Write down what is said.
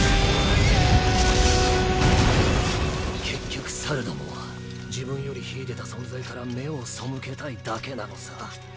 結局猿どもは自分より秀でた存在から目を背けたいだけなのさ。